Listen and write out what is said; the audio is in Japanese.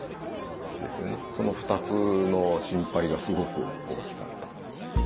その２つの心配がすごく大きかった。